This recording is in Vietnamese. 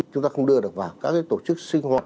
chúng ta không đưa được vào các tổ chức sinh hoạt